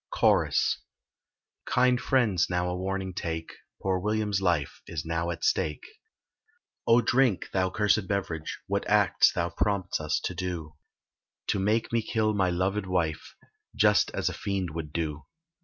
CHORUS. Kind friends, now a warning take Poor William's life is now at stake. Oh! drink thou cursed beverage What acts thou prompts us to do; To make me kill my loved wife, Just as a fiend would do!